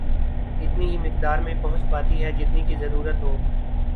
اتنی ہی مقدار میں پہنچ پاتی ہے جتنی کہ ضرورت ہو